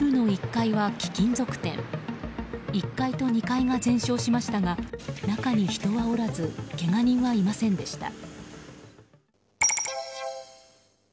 １階と２階が全焼しましたが中に人はおらずけが人はいませんでした。